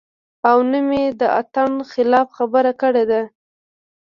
او نۀ مې د اتڼ خلاف خبره کړې ده -